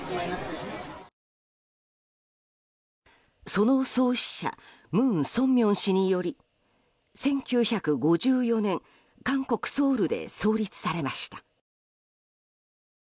その創始者、文鮮明氏により１９５４年韓国ソウルで創立されました。